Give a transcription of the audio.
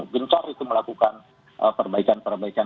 gencar itu melakukan perbaikan perbaikan